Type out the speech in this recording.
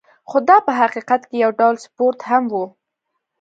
خو دا په حقیقت کې یو ډول سپورت هم و.